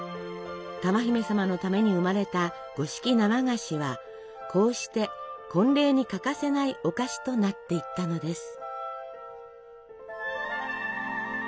珠姫様のために生まれた五色生菓子はこうして婚礼に欠かせないお菓子となっていったのです。